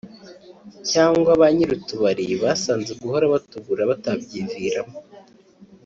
cyangwa ba nyiri utubari basanze guhora batugura batabyiviramo